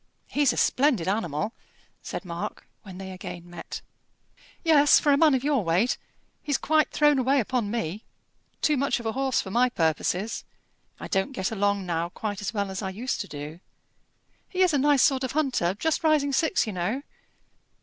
"He's a splendid animal," said Mark, when they again met. "Yes, for a man of your weight. He's thrown away upon me; too much of a horse for my purposes. I don't get along now quite as well as I used to do. He is a nice sort of hunter; just rising six, you know."